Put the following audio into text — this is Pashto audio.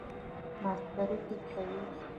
ماسټری کوئ؟